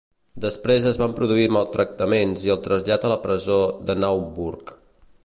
Després es van produir maltractaments i el trasllat a la presó de Naumburg.